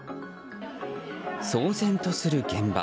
騒然とする現場。